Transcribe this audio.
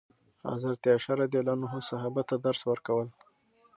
حضرت عایشه رضي الله عنها صحابه ته درس ورکول.